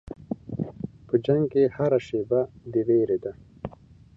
په جنګ کې هره شېبه د وېرې ده.